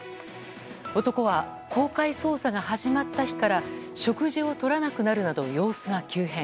男は公開捜査が始まった日から食事をとらなくなるなど様子が急変。